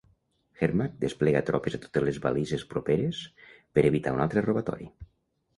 Hermack desplega tropes a totes les balises properes per evitar un altre robatori.